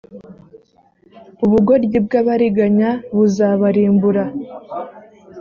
ubugoryi bw abariganya buzabarimbura